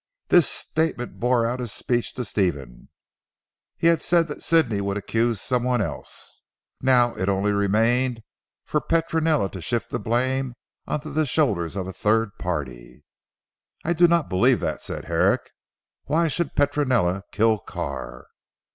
This statement bore out his speech to Stephen. He had said that Sidney would accuse someone else. Now it only remained for Petronella to shift the blame on to the shoulders of a third party. "I do not believe that," said Herrick, "why should Petronella kill Carr?"